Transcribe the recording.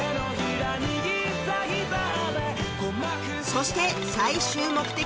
そして最終目的地